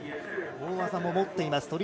大技も持っています。